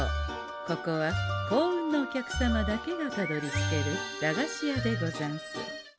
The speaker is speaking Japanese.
ここは幸運なお客様だけがたどりつける駄菓子屋でござんす。